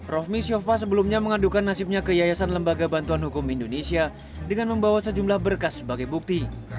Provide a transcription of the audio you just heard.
rohmi sofa sebelumnya mengadukan nasibnya ke yayasan lembaga bantuan hukum indonesia dengan membawa sejumlah berkas sebagai bukti